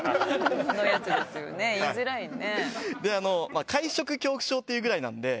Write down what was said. そういうやつですよね、言いづらいよね。